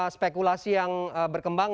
spekulasi yang berkembang